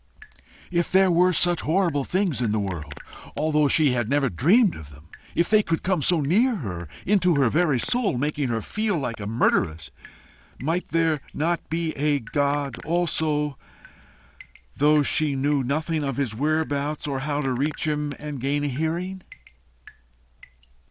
If there were such horrible things in the world, although she had never dreamed of them if they could come so near her, into her very soul, making her feel like a murderess, might there not be a God also, though she knew nothing of his whereabouts or how to reach him and gain a hearing?